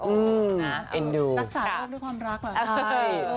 นักศึกษาโลกด้วยความรักหรอ